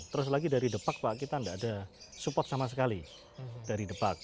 terus lagi dari depak pak kita tidak ada support sama sekali dari depak